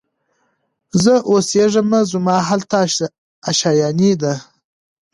زه اوسېږمه زما هلته آشیانې دي